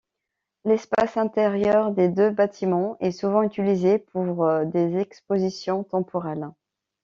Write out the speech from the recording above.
L'espace intérieur des deux bâtiments est souvent utilisé pour des expositions temporelles.